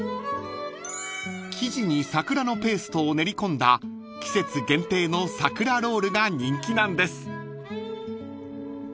［生地に桜のペーストを練り込んだ季節限定の桜ロールが人気なんです］